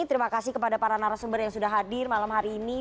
terima kasih kepada para narasumber yang sudah hadir malam hari ini